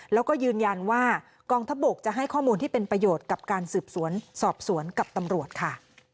แล้วก็ยืนยันว่ากองทัพบกจะให้ข้อมูลที่เป็นประโยชน์กับการสืบสวนสอบสวนกับตำรวจค่ะ